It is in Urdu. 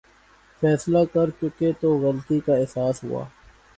فیصلہ کرچکے تو غلطی کا احساس ہوا۔